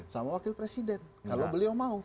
sama wakil presiden kalau beliau mau